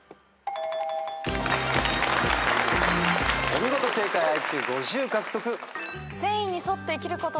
お見事正解ＩＱ５０獲得。